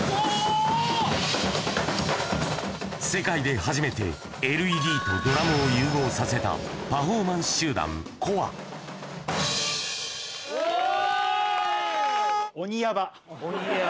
世界で初めてＬＥＤとドラムを融合させたパフォーマンス集団、鬼やば。